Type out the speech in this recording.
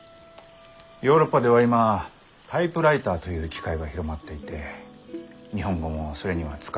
ヨーロッパでは今タイプライターという機械が広まっていて日本語もそれには使えない。